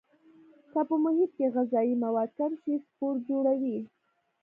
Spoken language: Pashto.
که په محیط کې غذایي مواد کم شي سپور جوړوي.